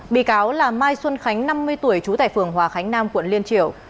bị cáo là mai xuân khánh năm mươi tuổi trú tại phường hòa khánh nam quận liên triều